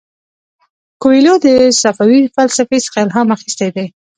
کویلیو د صوفي فلسفې څخه الهام اخیستی دی.